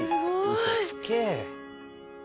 嘘つけ！